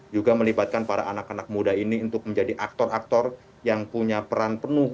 juga melibatkan para anak anak muda ini untuk menjadi aktor aktor yang punya peran penuh